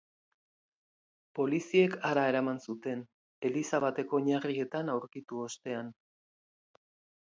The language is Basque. Poliziek hara eraman zuten, eliza bateko oinarrietan aurkitu ostean.